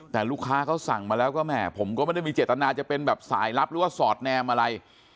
แต่ลูกค้าเขาสั่งมาแล้วก็แม่ผมก็ไม่ได้มีเจตนาจะเป็นแบบสายลับหรือว่าสอดแนมอะไร